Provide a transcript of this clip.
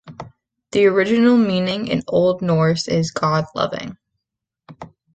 The original meaning in Old Norse is "God-loving".